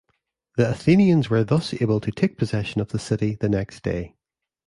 The Athenians were thus able to take possession of the city the next day.